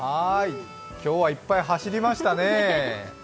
今日はいっぱい走りましたね。